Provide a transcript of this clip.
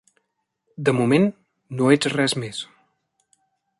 De moment, no ets res més.